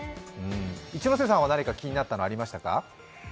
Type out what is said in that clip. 一ノ瀬さんは何か気になったものはありましたか？